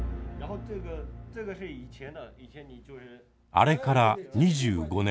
あれから２５年。